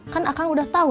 kan akang udah tau